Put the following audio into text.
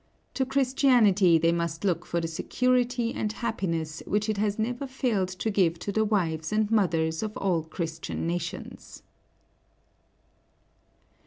To Christianity they must look for the security and happiness which it has never failed to give to the wives and mothers of all Christian nations.